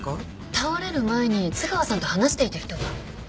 倒れる前に津川さんと話していた人は？